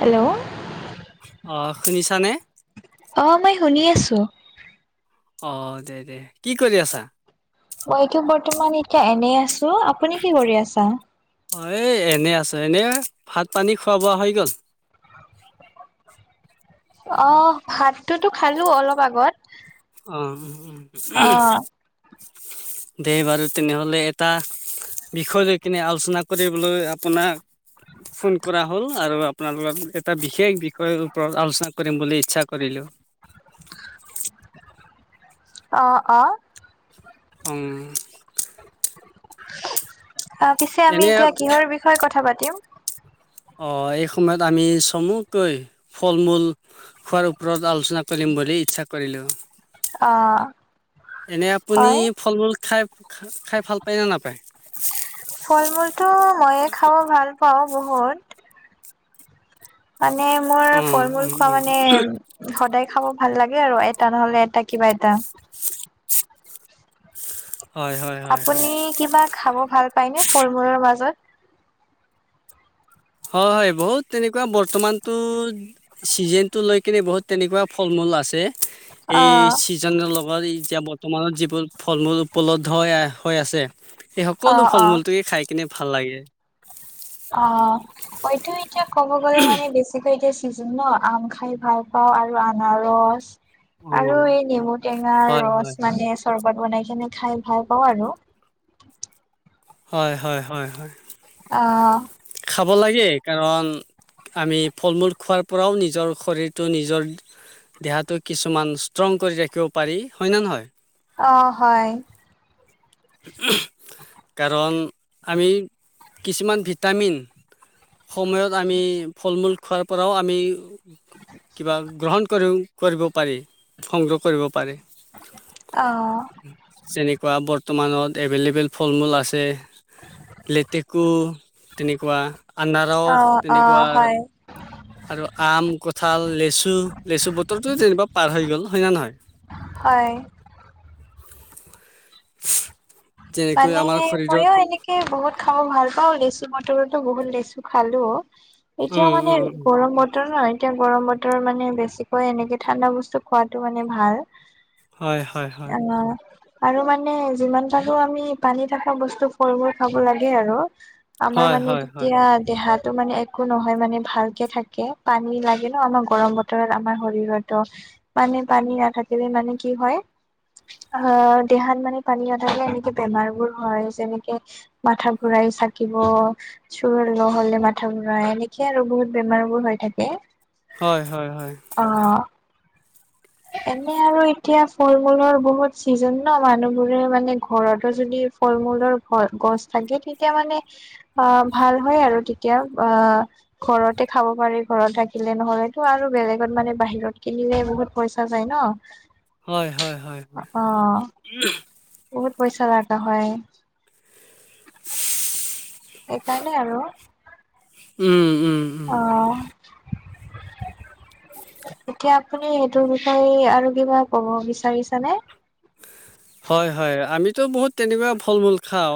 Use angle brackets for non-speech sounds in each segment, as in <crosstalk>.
Hello. অঁ শুনিছানে? অ' মই শুনি আছো। অ, দে দে কি কৰি আছা? মইতো বৰ্তমান এতিয়া এনেই আছো আপুনি কি কৰি আছা? অ এই এনে আছো এনে ভাত পানী খোৱা বোৱা হৈ গ'ল। অ' ভাতটোতো খালো অলপ আগত। অ' উ উম। অ দেইবাৰু তেনেহলে এটা বিষয় লৈ কিনে আলোচনা কৰিবলৈ আপোনাক ফোন কৰা হ'ল আৰু আপোনালোকৰ এটা বিশেষ বিষয়ৰ ওপৰত আলোচনা কৰিম বুলি ইচ্ছা কৰিল। হেল্ল' অ' অ'। উম। পিছে আমি এনে এতিয়া কিহৰ বিষয়ে কথা পাতিম? অ' এই সময়ত আমি চমুকৈ ফল মূল খোৱাৰ ওপৰত আলোচনা কৰিম বুলি ইচ্ছা কৰিলো অ এনে আপুনি হয় ফল-মূল খাই খাই ভাল পায় নে নাপায়? ফল মূলটো ময়ে খাব ভাল পাওঁ বহুত।। মানে মোৰ অ ফল মূল উম খোৱা উম মানে সদায় খাব। ভাল লাগে আৰু এটা নহলে এটা কিবা এটা। হয় হয় হয় হয় আপুনি কিবা খাব ভাল পায় ন ফল মূলৰ মাজত? হয়, হয়, বহুত তেনেকুৱা বৰ্তমানতটো চিজন টো লৈ কিনে বহুত তেনেকুৱা ফল, মূল আছে অ এই ছিজনেল আৰ এতিয়া বৰ্তমানত যিবোৰ ফল, মূল উপলব্ধ হৈ, হৈ, আছে। সেই অ সকলো ফল, অ মূলটোকে খাই কিনে ভাল লাগে। অ, হয়ইতো এতিয়া ক'ব গ'লে মানে বেছিকৈ এতিয়া <unintelligible> আম খাই ভাল পাওঁ আৰু আনাৰস অ আৰু এই নেমু টেঙা হয় ৰস হয় মানে চৰবত বনাই। সনে খাই ভাল পাওঁ আৰু। হয়, হয়, হয়, হয়। অ'। খাব লাগে কাৰণ আমি ফল, মূল খোৱাৰ পৰাও নিজৰ শৰীৰটো নিজৰ দেহটোক কিছুমান ষ্ট্ৰং কৰি ৰাখিব পাৰি হয়, ন, নহয়। অ, হয়। কাৰণ আমি কিছুমান ভিটামিন সময়ত আমি ফল, মূল খোৱাৰ পৰাও আমি কিবা গ্ৰহণ কৰিও কৰিব পাৰি, সংগ্ৰহ কৰিব পাৰি। আহ। যেনেকুৱা বৰ্তমানত এভেইলেবল ফল, মূল আছে লেতেকু তেনেকুৱা। অ আনাৰস অ তেনেকুৱা। হয় আৰু আম, কঁঠাল, লেচু, লেচু বতৰটো তেনেকিবা পাৰ হৈ গ'ল হয়, ন, নহয়। হয়। <unintelligible> মানে আমাৰ শৰীৰত মইও এনেকে বহুত খাব ভাল পাওঁ লিছু ম <unintelligible> বহুত লেচু খালো এতিয়া উম মানে উম উম। গৰম বতৰ নহয় এতিয়া গৰম বতৰ মানে বেছিকৈ এনেকে ঠাণ্ডা বস্তু খোৱাটো মানে ভাল। হয়, হয়, হয়। অ', আৰু মানে যিমান পাৰো আমি পানী থকা বস্তু ফলবোৰ খাব লাগে আৰু। আমাৰ হয় মানে হয় হয় তেতিয়া দেহাত টো, মানে একো নহয় মানে ভালকে থাকে পানী লাগে ন, আমাক গৰম বতৰত আমাৰ শৰীৰতো মানে পানী নাথাকিলে মানে কি হয় আহ দেহাত মানে পানী নাথাকিলে বেমাৰ, বোৰ হয়, যেনেকে মাথা ঘুৰাই চাকিব চোৰ ল হলে মাথা ঘুৰাই এনেকে আৰু বহুত বেমাৰ বোৰ হৈ থাকে। হয়, হয়, হয়। অ'। এনে আৰু এতিয়া ফল, মূলৰ বহুত চিজন ন, মানুহবোৰে মানে ঘৰতো যদি ফল মূলৰ ঘ, গছ থাকে, তেতিয়া মানে অ, ভাল হয়। আৰু তেতিয়া অ, ঘৰতে খাব পাৰি ঘৰত থাকিলে নহলেতো আৰু বেলেগত মানে বাহিৰত কিনি বহুত পইচা যায়, ন। হয়, হয়, হয়। অ বহুত পইচা লাগা হয়। সেইকাৰণেই আৰু। উম, উম, উম। অ এতিয়া আপুনি সেইটোৰ বিষয়ে আৰু কিবা ক'ব বিচাৰিছানে? <inaudible> হয়, হয়, আমিতো বহুত তেনেকুৱা ফল, মূল খাওঁ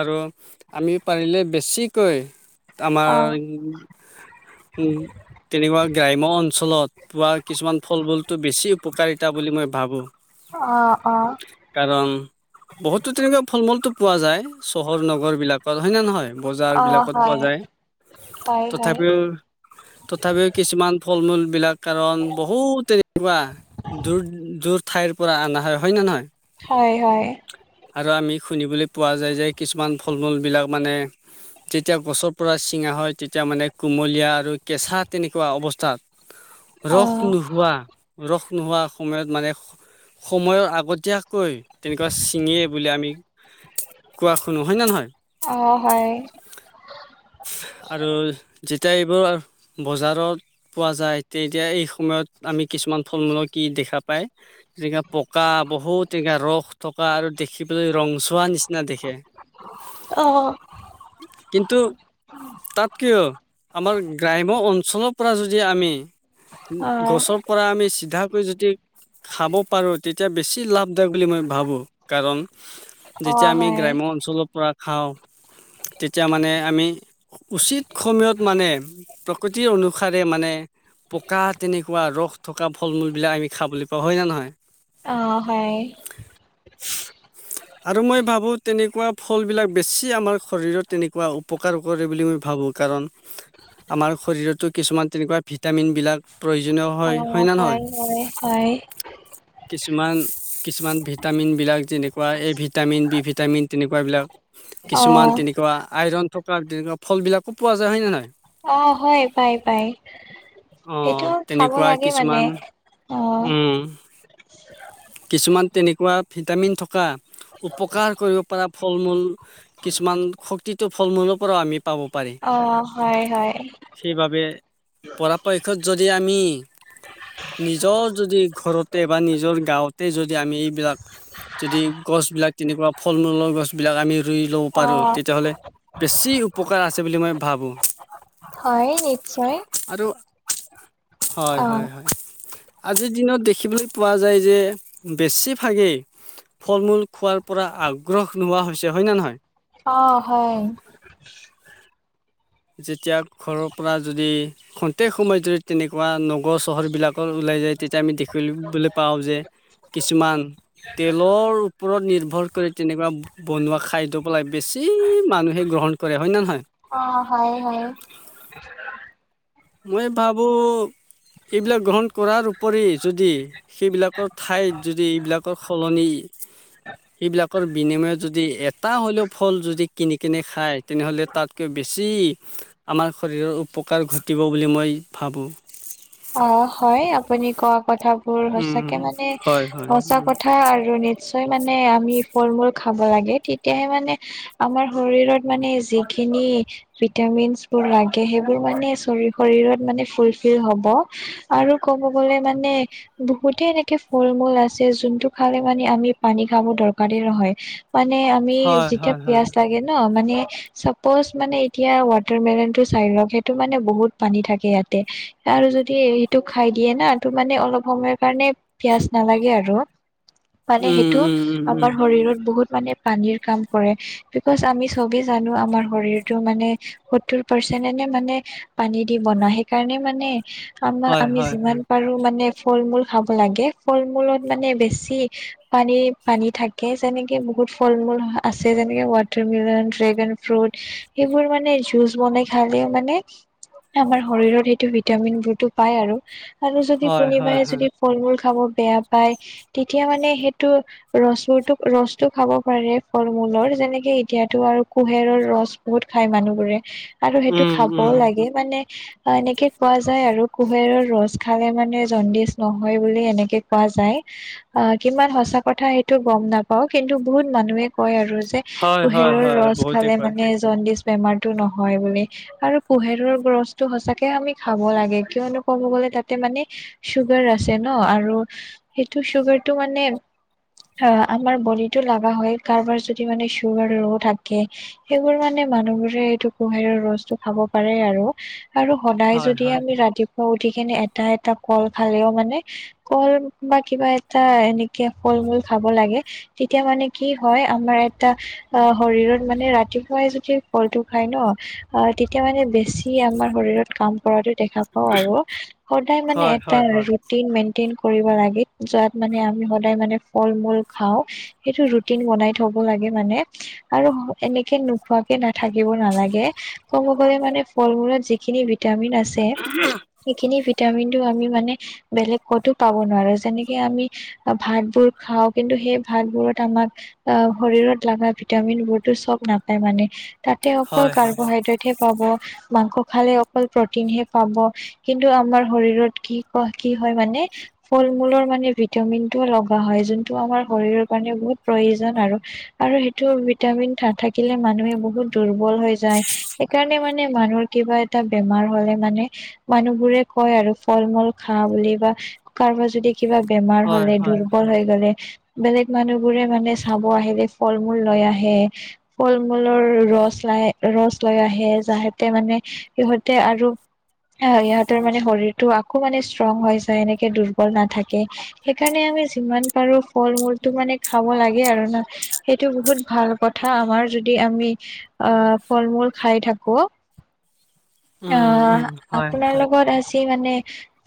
আৰু আমি পাৰিলে বেছি কি কয় আমাৰ অ উ, উ তেনেকুৱা গ্ৰাম্য অঞ্চলত পোৱা কিছুমান ফলবোৰতো বেছি উপকাৰিতা বুলি মই ভাবো। অ'। অ কাৰণ বহুতো তেনেকুৱা ফল মূলতটো পোৱা যায় চহৰ নগৰ বিলাকত হয়ে নে, নহয়? বজাৰ অ বিলাকত পোৱা হয় যায়। হয় হয় তথাপিওঁ তথাপিওঁ কিছুমান ফল-মূলবিলাক কাৰণ বহুত তেনেকুৱা দূৰ দূৰ ঠাইৰ পৰা অনা হয়। হয় না নহয়? হয় হয় আৰু আমি শুনিবলৈ পোৱা যায় যে কিছুমান ফল-মূলবিলাক মানে যেতিয়া গছৰ পৰা ছিঙা হয় তেতিয়া মানে কু কুমলীয়া আৰু কেঁচা তেনেকুৱা অৱস্থাত অ ৰস নোহোৱা, ৰস নোহোৱা সময়ত মানে সময়ৰ আগতীয়াকৈ তেনেকুৱা ছিঙে বুলি আমি কোৱা শুনো হয় নে নহয়? অ হয় আৰু যেতিয়া এইবোৰ বজাৰত পোৱা যায়, তেতিয়া এই সময়ত আমি কিছুমান ফল-মূলক কি দেখা পায় যে পকা বহুত এনেকুৱা ৰস থকা আৰু দেখিবলৈ ৰংচোৱা নিচিনা দেখে। অহ। কিন্তু তাত কিয় আমাৰ গ্ৰাম্য অঞ্চলত পৰা যদি আমি, অ', গছৰ পৰা আমি চিধাকৈ যদি খাব পাৰোঁ। তেতিয়া বেছি লাভদায়ক বুলি মই ভাবোঁ, কাৰণ যেতিয়া অ', আমি হয়, গ্ৰাম্য অঞ্চলৰ পৰা খাওঁ তেতিয়া মানে আমি উচিত সময়ত মানে প্ৰকৃতিৰ অনুসাৰে মানে পকা তেনেকুৱা ৰস থকা ফল-মূলবিলাক আমি খাবলৈ পাওঁ হয় নে নহয়? অহ, ‌ হয়। <unintelligible> আৰু মই ভাবোঁ তেনেকুৱা ফলবিলাক বেছি আমাৰ শৰীৰত তেনেকুৱা উপকাৰ কৰে বুলি মই ভাবোঁ। ভাবোঁ কাৰণ আমাৰ শৰীৰতো কিছুমান তেনেকুৱা ভিটামিনবিলাক প্ৰয়োজনীয় অ', হয়। হয় না নহয়? হয়, হয়, কিছুমান-কিছুমান ভিটামিনবিলাক যেনেকুৱা এ ভিটামিন, বি ভিটামিন তেনেকুৱাবিলাক। কিছুমান অ', তেনেকুৱা আইৰন থকা তেনেকুৱা ফলবিলাকো পোৱা যায় হয় নে নহয়? অ', হয়, পায়, পায়। অহ, তেনেকুৱা কিছুমান অ', উম। কিছুমান তেনেকুৱা ভিটামিন থকা উপকাৰ কৰিব পৰা। ফল-মূল কিছুমান শক্তিটো ফল-মূলৰ পৰাও আমি পাব পাৰি। অ', হয়, হয়, সেইবাবে পৰাপক্ষত যদি আমি আমি নিজৰ যদি ঘৰত বা নিজৰ গাঁৱতে যদি আমি এইবিলাক যদি গছবিলাক তেনেকুৱা ফল-মূলৰ গছবিলাক আমি ৰুই ল'ব পাৰোঁ, অ', তেতিয়াহ'লে বেছি উপকাৰ আছে বুলি মই ভাবোঁ। হয়, নিশ্চয়। আৰু হয়, হয়, অ', হয়। আজিৰ দিনত দেখিবলৈ পোৱা যায় যে, বেছিভাগেই ফল-মূল খোৱাৰ পৰা আগ্ৰহ নোহোৱা হৈছে। হয় নে নহয়? অহ', হয়। <unintelligible> যেতিয়া ঘৰৰ পৰা যদি ক্ষন্তেক সময়ত যদি তেনেকুৱা নগৰ চহৰবিলাকত ওলাই তেতিয়া আমি দেখিবলৈ পাওঁ যে কিছুমান তেলৰ ওপৰত নিৰ্ভৰ কৰি তেনেকুৱা বনোৱা খাদ্য পৰাই বেছি মানুহে গ্ৰহ গ্ৰহণ কৰে। হয় নে নহয়? অহ', হয়, হয়। মই ভাবোঁ এইবিলাক গ্ৰহণ কৰাৰ উপৰি যদি, সেইবিলাকৰ ঠাইত যদি এইবিলাকৰ সলনি <unintelligible> সেইবিলাকৰ বিনিময়ত যদি এটা হ'লেও ফল যদি কিনি কেনে খায়, তেনেহ'লে তাতকৈ বেছি বেছি আমাৰ শৰীৰৰ উপকাৰ ঘটিব বুলি মই ভাবোঁ। অ, হয় আপুনি কওক? কথাবোৰ উম, সঁচাকে মানে, হয়, হয়, সচা উম, কথা আৰু নিচ মানে আমি ফল-মূল খাব লাগে, তেতিয়াহে মানে আমাৰ শৰীৰত মানে যিখিনি ভিটামিন বোৰ লাগে সেইবোৰ মানে শৰীৰত মানে ফুলফিল হ'ব। আৰু ক'ব গ'লে মানে বহুতে এনেকে ফল-মূল আছে, জোনটো খালে মানে আমি পানী খাব দৰকাৰেই নহয়, মানে আমি হয়, যেতিয়া হয়, হয়। পিয়াজ লাগে ন, মানে চাপজ মানে এতিয়া ৱাটাৰ মেলন টো চাই লওক সেইটো মানে বহুত পানী থাকে ইয়াতে। আৰু যদি সেইটো খাই দিয়ে না, টো মানে অলপ সময়ৰ কাৰণে পিয়াজ নালাগে আৰু। মানে উম, সেইটো উম, উম, উম, আমাৰ শৰীৰত বহুত পানীৰ কাম কৰে বিকজ আমি চবে জানো আমাৰ শৰীৰতটো মানে সত্তৰ পাৰ্চ যেনেনে মানে পানী দি বনোৱা সেইকাৰণে মানে আমাৰ হয়, আমি হয়, যিমান হয়, পাৰো মানে ফল-মূল খাব লাগে। ফল-মূলত মানে বেছি পানী-পানী থাকে যেনেকে। বহুত ফল-মূল আছে, যেনেকে ৱাটাৰ মিলন, ড্ৰেগন ফ্ৰুট সেইবোৰ মানে জুচ বনাই খ ভালে মানে আমাৰ শৰীৰত সেইটো ভিটামিন বোৰতো পায় আৰু, আৰু যদি হয়, হয়, কোনোবাই হয়, যদি ফল-মূল খাব বেয়া পায়, তেতিয়া মানে সেইটো ৰছো, ৰছতটো খাব পাৰে ফল-মূল। মলৰ যেনেকে এতিয়াতো আৰু কুহেৰৰ ৰস বহুত খাই মানুহবোৰে। আৰু সেইটো উম, খাবও উম, লাগে, মানে এনেকে কোৱা যায় আৰু। কুঁহিয়াৰৰ ৰছ খালে, মানে জণ্ডিচ নহয়, বুলি এনেকে কোৱা যায় আ কিমান সঁচা কথা সেইটো গ'ম নাপাও কিন্তু বহুত মানুহে কয় আৰু। যে হয়, হয়, কুহেৰৰ হয়, ৰছ বহুতে খালে কয়, মানে জণ্ডিচ বেমাৰটো নহয় বুলি আৰু পোহেৰৰ গছটো সঁচাকে আমি খাব লাগে। কিয়নো ক'ম গলে তাতে মানে চুগাৰ আছে ন, আৰু সেইটো চুগাৰটো মানে অ, আমাৰ বডটো লগাগা হয়, কাৰোবাৰ যদি মানে চুগাৰ ৰৌ থাকে, সেইবোৰ মানে মানুহবোৰে এইটো কুহৰ ৰসটো খাব পাৰে আৰু, আৰু সদায় হয়, যদি হয়, আমি ৰাতিপুৱা উঠিখি এটা, এটা কল খালেও মানে ক'ল বা কিবা এটা এনেকে ল, মূল খাব লাগে। তেতিয়া মানে কি হয় আমাৰ এটা অ, শৰত মানে ৰাতিপুৱাই ফলটো খাই ন, তেতিয়া মানে বেছি আমাৰ শৰীৰত কাম কৰাটো দেখা আৰু সদায় মানে হয়, হয়, এটাট হয়, ম লাত মানে স, ম, ফল, মূল খাও সেইটো ৰু, বনাই থ ল, মানে আৰু এনেকে নোখোৱাকে, নাথাকিব, নালাগে ক'ব গলে মানে ফল, মূলত যিখিনি ভিটামিন আছে। সেইখিনি ভিটামিন টো আমি মানে বেলেগ ক'তো পাব নোৱাৰো যেনেকে আমি ভাতবোৰ খাও কিন্তু সেই ভাত বোৰত আমাক আহ, শৰীৰত লগা ভিটামিন বোৰতো চ'ব নাপায় মানে। তাতে অকল হয়, হয়, কাৰ্বহাইড্ৰেট হে, পাব। মাংস খালে অকল প্ৰটিনহে পাব। কিন্তু আমাৰ শৰীৰত কি, ক, কি, হয়, মানে ফল, মূলৰ মানে ভিটামিন টো লগা হয়, যোনটো আমাৰ শৰীৰৰ কাৰণে বহুত প্ৰয়োজন আৰু, আৰু সেইটো ভিটামিন নাথাকিলে মান মানুহে বহুত দুৰ্বল হৈ যায়। সেইকাৰণে মানে মানুহৰ কিবা এটা বেমাৰ হলে মানে মানুহ বোৰে কয় আৰু ফল, মূল খা, বুলি বা কাৰোবাৰ যদি কিবা বেমাৰ হয়, হলে হয়, দুৰ্বল হৈ গলে বেলেগ মানুহবোৰে মানে চাব আহিলে ফল, মূল লৈ আহে। ফল, মূলৰ ৰচ চাই, ৰছ, ল, আহে, যাহতে মানে সিহঁতে আৰু সিহঁতৰ মানে শৰীৰতটো আকৌ মানে ষ্ট্ৰং হৈ যায়। এনেকে দুৰ্বল নাথাকে সেইকাৰণে আমি যিমান পাৰো ফল, মূলতটো মানে খাব লাগে, আৰু ন, সেইটো বহুত ভাল কথা আমাৰ যদি যদি আমি অ, ফল, মূল খাই থাকো। অ, উম, উম, হয়, আপোনাৰ হয়। লগত আছে। স, মানে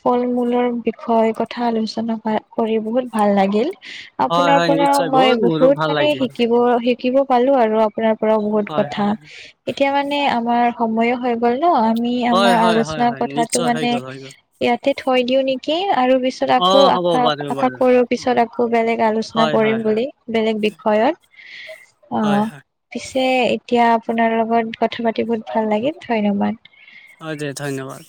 ফল, মূলৰ বিষয়ে কথা আলোচনা কৰি বহুত ভাল লাগিল। হয় আপোনাৰ হয় পুনৰ নিশ্চয় মই মোৰো বহুত ভাল মানে লাগিল শিকিব শ শিকিব পালো আৰু আপোনাৰ পৰাও বহুত হয় কথা হয় এতিয়া মানে আমাৰ সময়ো হৈ গ'ল। ত, আমি হয় আমাৰ হয় হয় আলোচনাৰ হয় কথাাতটো নিশ্চয় হৈ মানে গ'ল হৈ গ'ল ইয়াতে থৈ দিও নেকি। আৰু পিছত অ আকৌ হ'ব আশা বাৰু আশা বাৰু কৰোঁ, অ', পিছত আকৌ বেলেগ আলোচনা হয় হয় কৰিম হয় বুলি বেলেগ বিষয় হয় অ' হয় পিছে এতিয়া আপোনাৰ লগত কথা পাতি বহুত ভাল লাগিল ধন্যবাদ। অ' দিয়া ধন্যবাদ।